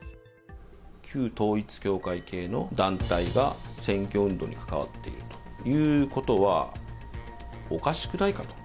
旧統一教会系の団体が、選挙運動に関わっているということは、おかしくないかと。